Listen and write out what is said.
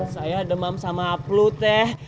saya demam sama pelu teh